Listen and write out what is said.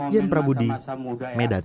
yen prabudi medan